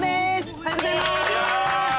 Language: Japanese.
おはようございます！